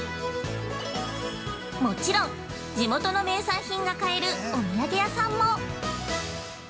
もちろん地元の名産品が買えるお土産屋さんも！